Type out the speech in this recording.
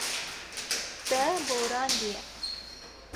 Te borandiye.